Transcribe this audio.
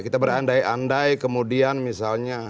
kita berandai andai kemudian misalnya